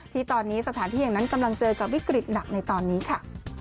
ที่ตอนนี้สถานที่อย่างนั้นกำลังเจอกับวิกฤตหนักในตอนนี้ค่ะ